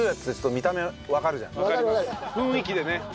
雰囲気でね。